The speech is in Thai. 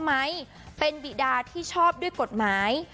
ไหมเป็นบิดาที่ชอบด้วยกฎหมาย